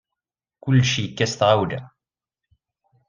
Kullec yekka s tɣawla.